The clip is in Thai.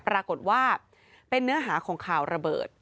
ปรากฏว่าเป็นเนื้อหาของข่าวระเบิด